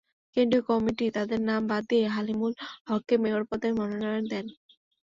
কেন্দ্রীয় কমিটি তাঁদের নাম বাদ দিয়ে হালিমুল হককে মেয়র পদে মনোনয়ন দেয়।